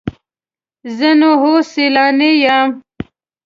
زه نو اوس سیلانی یم.